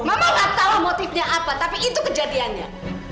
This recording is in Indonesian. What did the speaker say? mama tak tahu motifnya apa tapi itu kejadiannya